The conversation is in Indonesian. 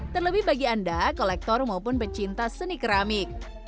terlebih bagi anda kolektor maupun pecinta seni keramik